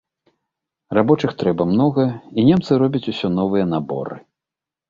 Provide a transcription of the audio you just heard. Рабочых трэба многа, і немцы робяць усё новыя наборы.